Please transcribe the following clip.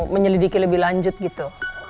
menyelidiki lebih lanjut gitu